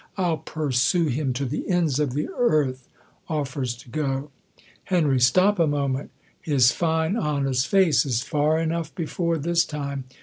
I'll pursue him to the ends of the earth. [Of fers to go,] Hen, Stop a moment. His fine honest face is far enough before this time.